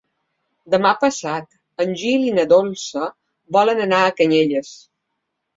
Demà passat en Gil i na Dolça volen anar a Canyelles.